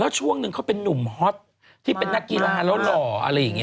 ส่วนช่วงนึงเขาเป็นหนุ่มฮอตที่เป็นนักกีฬรอ่ะ